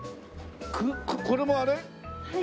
これもあれ？